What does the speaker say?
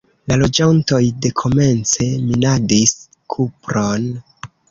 La loĝantoj dekomence minadis kupron.